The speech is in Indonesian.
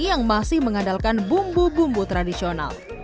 yang masih mengandalkan bumbu bumbu tradisional